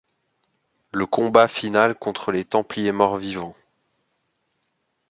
Le combat final contre les templiers mort vivant.